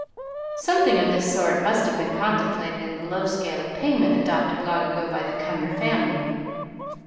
Something of this sort must have been contemplated in the low scale of payment adopted long ago by the Cumnor family.